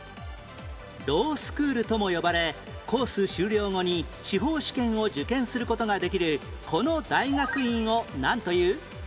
ロースクールとも呼ばれコース修了後に司法試験を受験する事ができるこの大学院をなんという？